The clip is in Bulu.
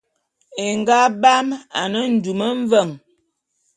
É nga bam ane ndum mveng.